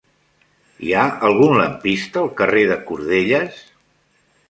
Hi ha algun lampista al carrer de Cordelles?